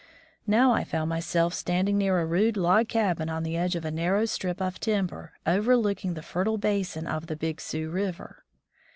Now, I found myself standing near a rude log cabin on the edge of a narrow strip of timber, overlooking the fertile basin of the Big Sioux River.